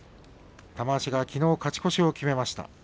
玉鷲がきのう勝ち越しを決めました。